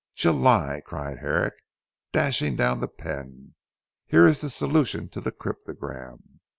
July," cried Herrick dashing down the pen. "Here is the solution of the cryptogram."